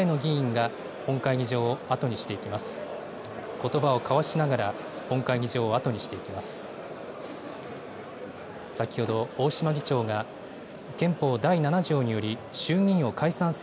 ことばを交わしながら、本会議場を後にしていきます。